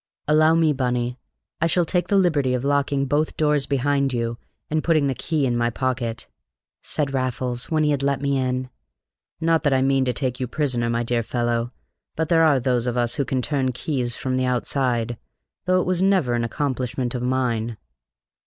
"Allow me, Bunny! I shall take the liberty of locking both doors behind you and putting the key in my pocket," said Raffles, when he had let me in. "Not that I mean to take you prisoner, my dear fellow; but there are those of us who can turn keys from the outside, though it was never an accomplishment of mine."